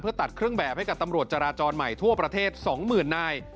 ตัดเครื่องแบบให้กับตำรวจจราจรใหม่ทั่วประเทศ๒๐๐๐นาย